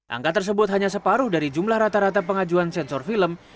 angka tersebut hanya separuh dari jumlah rata rata pengajuan sensor film